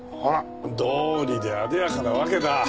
あらどうりで艶やかなわけだ。